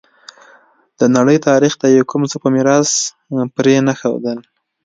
د نړۍ تاریخ ته یې کوم څه په میراث پرې نه ښودل.